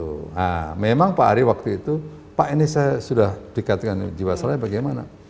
nah memang pak ari waktu itu pak ini saya sudah dikatakan jiwasraya bagaimana